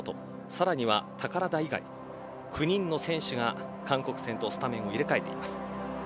さらには、宝田以外９人の選手が韓国戦とスタメンを入れ替えています。